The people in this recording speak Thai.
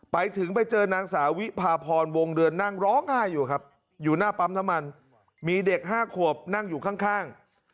ไปถึงไปเจอนางสาวิภาพรวงเดือนนั่งร้องไห้อยู่ครับอยู่หน้าปั๊มน้ำมันมีเด็ก๕ขวบนั่งอยู่ข้าง